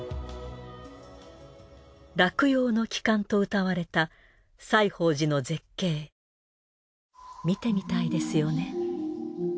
洛陽の奇観とうたわれた西芳寺の絶景見てみたいですよね。